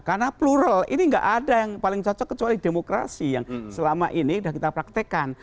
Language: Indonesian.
karena plural ini gak ada yang paling cocok kecuali demokrasi yang selama ini sudah kita praktekkan